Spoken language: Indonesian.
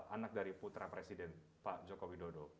anak dari putra presiden pak joko widodo